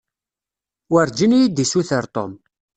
Werǧin iyi-d-issuter Tom.